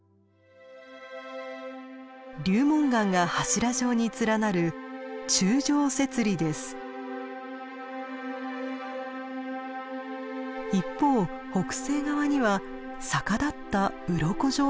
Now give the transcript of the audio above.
流紋岩が柱状に連なる一方北西側には逆立ったうろこ状の岩場が広がります。